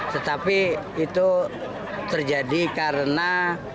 tetapi itu terjadi karena